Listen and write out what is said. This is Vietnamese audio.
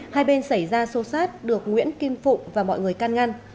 hai bên xảy ra sâu sát được nguyễn kim phụ và mọi người can ngăn